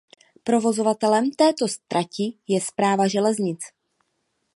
Provozovatelem této trati je Správa železnic.